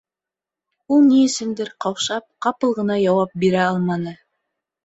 Ул ни өсөндөр, ҡаушап, ҡапыл ғына яуап бирә алманы.